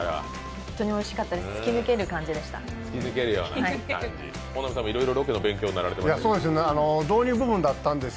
本当においしかったです。